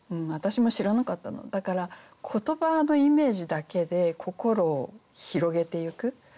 だから言葉のイメージだけで心を広げていく。